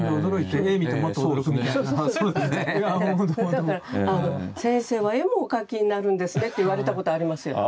だから「先生は絵もお描きになるんですね」って言われたことありますよ。